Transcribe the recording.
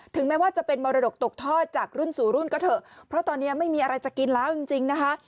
แม้ว่าจะเป็นมรดกตกทอดจากรุ่นสู่รุ่นก็เถอะเพราะตอนนี้ไม่มีอะไรจะกินแล้วจริงนะคะ